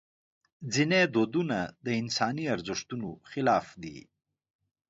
ځینې دودونه د انساني ارزښتونو خلاف دي.